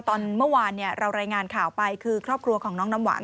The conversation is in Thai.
ตอนเมื่อวานเรารายงานข่าวไปคือครอบครัวของน้องน้ำหวาน